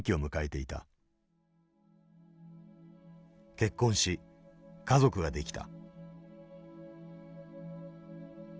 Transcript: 結婚し家族ができた。